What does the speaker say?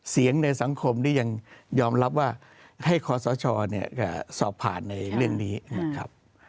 ในสังคมนี้ยังยอมรับว่าให้คอสชสอบผ่านในเรื่องนี้นะครับ